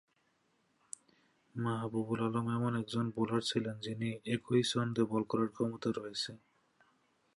মাহবুবুল আলম এমন একজন বোলার যিনি একই ছন্দে বল করার ক্ষমতা রয়েছে।